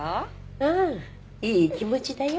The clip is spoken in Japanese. うんいい気持ちだよ。